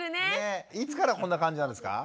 いつからこんな感じなんですか？